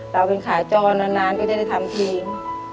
เราเป็นขาจรนานก็จะได้ทำทีม